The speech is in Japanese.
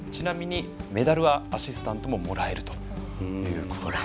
メダルはアシスタントももらえるということです。